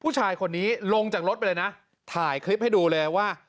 ผู้ชายคนนี้ลงจากรถไปเลยนะถ่ายคลิปให้ดูเลยว่า